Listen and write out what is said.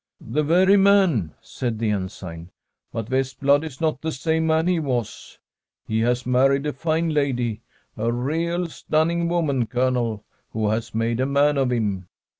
' The very man/ said the Ensign. ' But Vest blad is not the same man he was. He has married a fine lady — a real stunning woman, Colonel — who has made a man of him.